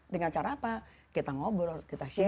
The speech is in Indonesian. dengan cara apa kita ngobrol kita share kita berbagi